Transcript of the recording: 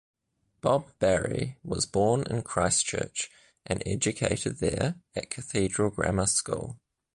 Bob Barry was born in Christchurch and educated there at Cathedral Grammar School.